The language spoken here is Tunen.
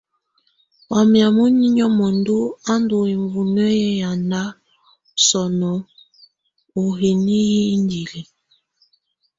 Wamɛ̀á muninyǝ́ muǝndu a ndù ibuŋkǝ yɛ yanda sɔnɔ u hini hi indili.